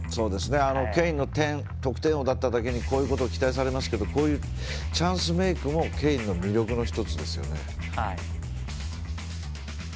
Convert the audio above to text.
ケインは得点王だっただけに期待されますけどこういうチャンスメイクもケインの魅力の１つですよね。